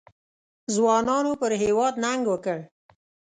ځوانانو پر هېواد ننګ وکړ.